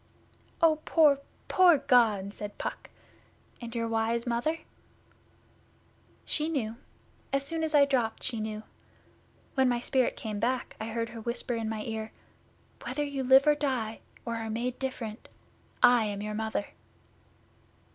'Oh, poor poor God!' said Puck. 'And your wise Mother?' 'She knew. As soon as I dropped she knew. When my spirit came back I heard her whisper in my ear, "Whether you live or die, or are made different, I am your Mother."